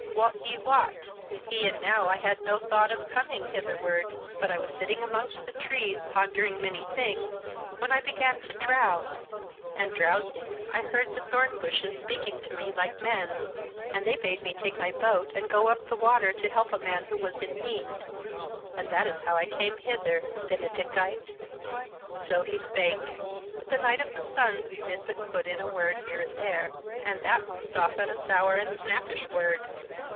Wot ye what? E'en now I had no thought of coming hitherward; but I was sitting amongst the trees pondering many things, when I began to drowse, and drowsing I heard the thornbushes speaking to me like men, and they bade me take my boat and go up the water to help a man who was in need; and that is how I came hither; benedicite." So he spake; but the Knight of the Sun did but put in a word here and there, and that most often a sour and snappish word.